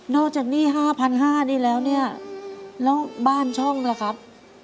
จากหนี้๕๕๐๐บาทนี่แล้วเนี่ยแล้วบ้านช่องล่ะครับ